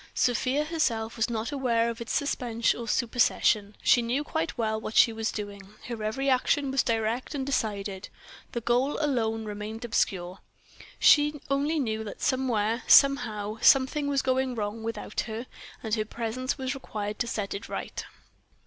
Sofia herself was not aware of its suspense or supersession. She knew quite well what she was doing, her every action was direct and decided, the goal alone remained obscure. She only knew that somewhere, somehow, something was going wrong without her, and her presence was required to set it right.